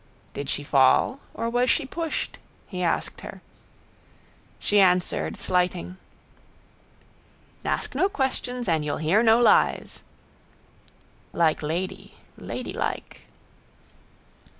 —Did she fall or was she pushed? he asked her. She answered, slighting: —Ask no questions and you'll hear no lies. Like lady, ladylike.